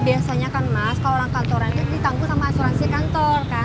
biasanya kan mas kalau orang kantoran itu ditanggung sama asuransi kantor kan